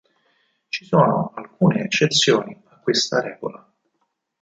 Ci sono alcune eccezioni a questa regola.